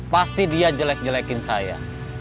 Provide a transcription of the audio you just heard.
pasti dia jelek jelekin saya